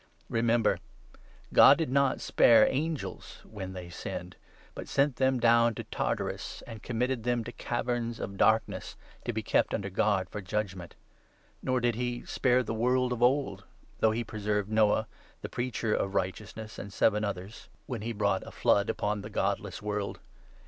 Remember, God did not spare angels when they sinned, but sent them down to Tartarus, and committed them to caverns of dark ness, to be kept under guard for judgement. Nor did he spare the world of old ; though he preserved Noah, the Preacher of Righteousness, and seven others, when he brought a flood 2 Isa. 52. 5. * Enoch 10. 6, 13. II. PETER, 2. 465 upon the godless world.